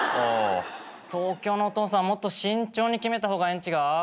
東京のお父さんもっと慎重に決めた方がええんちがう？